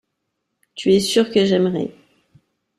Tu es sûr que j’aimerai.